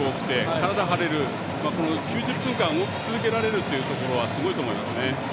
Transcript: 体、張れる、９０分間動き続けられるというところはすごいと思いますね。